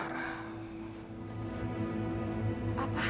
kerja terluka parah